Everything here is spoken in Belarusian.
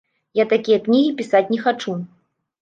Я такія кнігі пісаць не хачу.